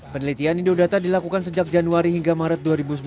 penelitian indodata dilakukan sejak januari hingga maret dua ribu sembilan belas